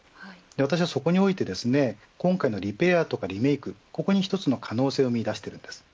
私はそこにおいて今回のリペアやリメークここに一つの可能性を見いだしています。